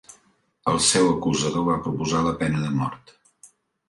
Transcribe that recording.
El seu acusador va proposar la pena de mort.